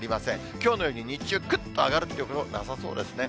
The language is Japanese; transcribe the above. きょうのように日中、ぐっと上がるということもなさそうですね。